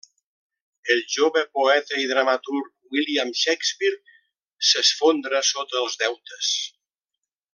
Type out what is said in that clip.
El jove poeta i dramaturg William Shakespeare s'esfondra sota els deutes.